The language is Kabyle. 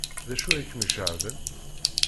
D acu ay kem-iceɣben?